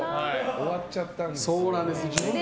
終わっちゃったんです。